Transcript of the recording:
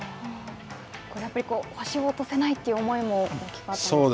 これはやっぱり星を落とせないという思いも大きかったんですかね。